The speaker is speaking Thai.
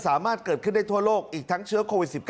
สามารถเกิดขึ้นได้ทั่วโลกอีกทั้งเชื้อโควิด๑๙